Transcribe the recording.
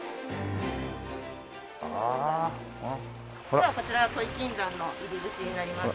ではこちらが土肥金山の入り口になります。